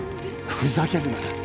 ふざけるな。